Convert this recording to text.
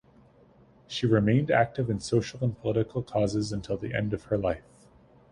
She remained active in social and political causes until the end of her life.